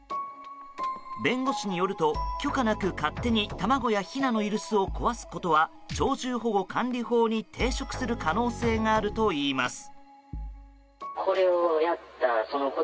弁護士によると許可なく勝手に卵やひなのいる巣を壊すことは鳥獣保護管理法に抵触する可能性があるといいます。